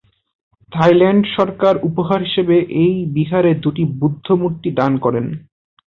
Thailand সরকার উপহার হিসেবে এই বিহারে দুইটি বুদ্ধ মূর্তি দান করেন।